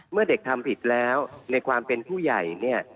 เมื่อเด็กทำผิดแล้วในความเป็นผู้ใหญ่เนี่ย